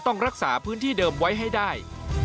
ต้องรักษาพื้นที่เดิมไว้ให้ได้